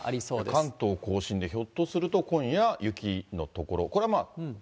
関東甲信でひょっとすると今夜、雪の所。